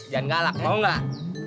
jangan galak mau gak